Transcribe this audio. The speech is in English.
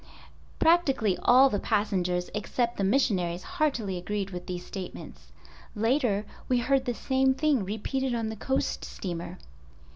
Practically all the passengers, except the missionaries heartily agreed with these statements. Later we heard the same thing repeated on the coast steamer.